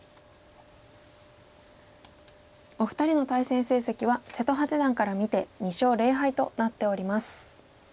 お二人の対戦成績は瀬戸八段から見て２勝０敗となっております。